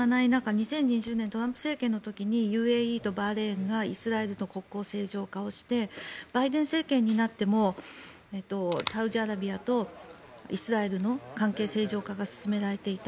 ２０２０年、トランプ政権の時にＵＡＥとバーレーンがイスラエルと国交正常化をしてバイデン政権になってもサウジアラビアとイスラエルの関係正常化が進められていた。